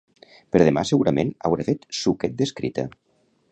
Per demà segurament hauré fet suquet d'escrita